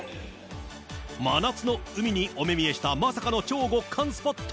真夏の海にお目見えした、まさかの超極寒スポット。